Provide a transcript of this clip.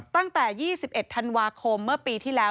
ตั้งแต่๒๑ธันวาคมเมื่อปีที่แล้ว